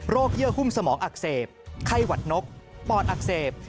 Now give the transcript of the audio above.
เยื่อหุ้มสมองอักเสบไข้หวัดนกปอดอักเสบ